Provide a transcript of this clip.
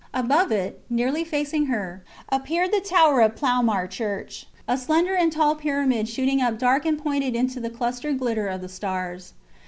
Above it, nearly facing her, appeared the tower of Ploumar Church; a slender and tall pyramid shooting up dark and pointed into the clustered glitter of the stars.